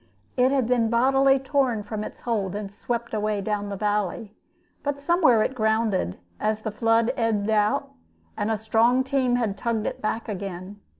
It had been bodily torn from its hold and swept away down the valley; but somewhere it grounded, as the flood ebbed out, and a strong team had tugged it back again.